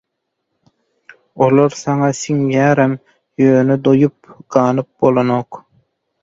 Olar saňa siňýarem, ýöne doýup, ganyp bolanok.